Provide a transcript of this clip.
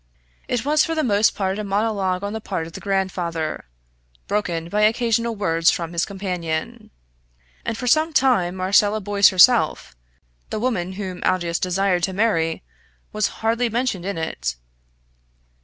It was for the most part a monologue on the part of the grandfather, broken by occasional words from his companion; and for some time Marcella Boyce herself the woman whom Aldous desired to marry was hardly mentioned in it.